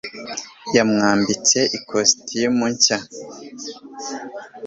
yamwambitse ikositimu nshya